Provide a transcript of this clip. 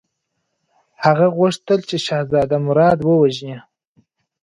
هغه غوښتل چې شهزاده مراد ووژني.